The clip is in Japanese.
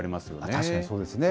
確かにそうですね。